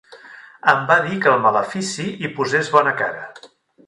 Em va dir que al malefici hi posés bona cara.